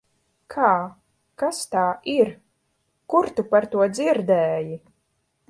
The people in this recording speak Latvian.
Kā? Kas tā ir? Kur tu par to dzirdēji?